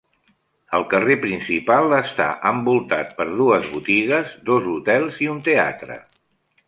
El carrer principal està envoltat per dues botigues, dos hotels i un teatre.